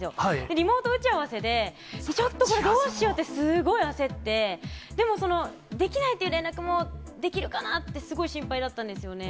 リモート打ち合わせで、ちょっとこれ、どうしようって、すっごい焦って、でも、できないという連絡もできるかなって、すごい心配だったんですよね。